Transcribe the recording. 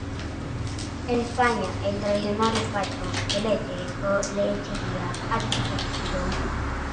En España, el tradicional despacho de leche o lechería ha desaparecido.